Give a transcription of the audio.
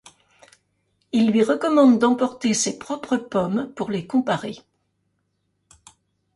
Il lui recommande d’emporter ses propres pommes pour les comparer.